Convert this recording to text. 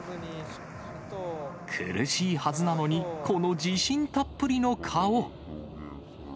苦しいはずなのに、この自信たっぷりの顔。